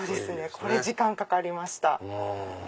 これ時間かかりました。